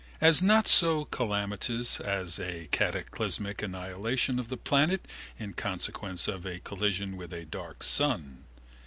As not so calamitous as a cataclysmic annihilation of the planet in consequence of a collision with a dark sun.